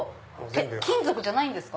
金属じゃないんですか？